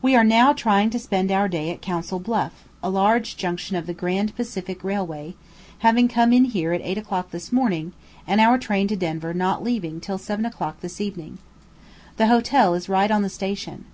We are now trying to spend our day at Council Bluff, a large junction of the Grand Pacific Railway, having come in here at 8 o'clock this morning, and our train to Denver not leaving till 7 o'clock this evening. The hotel is right on the station.